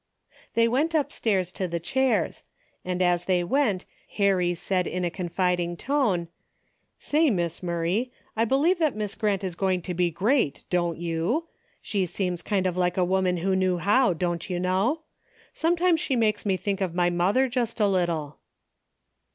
They went upstairs to the chairs, and as they went Harry said in a confiding tone, " Say, Miss Murray, I believe that Miss Grant is going to be great, don't you ? She seems kind of like a woman who knew how, don't you know? Sometimes she makes me think of my mother just a little."